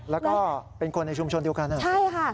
แล้วก็เป็นคนในชุมชนเดียวกันใช่ค่ะ